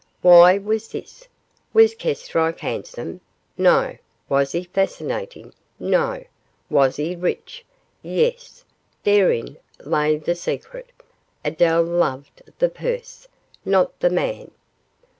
Why was this? Was Kestrike handsome? No. Was he fascinating? No. Was he rich? Yes. Therein lay the secret; Adele loved the purse, not the man.